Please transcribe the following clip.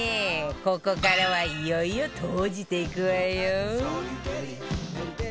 ここからはいよいよ閉じていくわよ